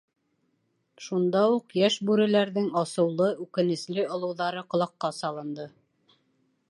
Шунда уҡ йәш бүреләрҙең асыулы, үкенесле олоуҙары ҡолаҡҡа салынды: